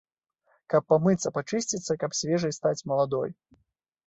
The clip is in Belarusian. Каб памыцца, пачысціцца, каб свежай стаць, маладой.